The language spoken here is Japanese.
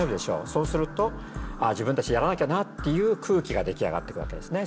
そうすると自分たちやらなきゃなっていう空気が出来上がっていくわけですね。